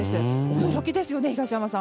驚きですよね、東山さん。